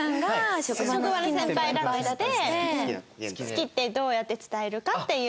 「好き」ってどうやって伝えるかっていう。